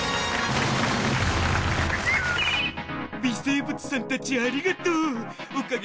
微生物さんたちありがとう！